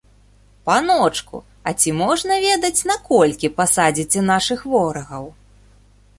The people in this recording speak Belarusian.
Паночку, а ці можна ведаць, на колькі пасадзіце нашых ворагаў?